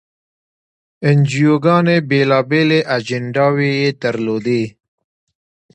انجیوګانې بېلابېلې اجنډاوې یې درلودې.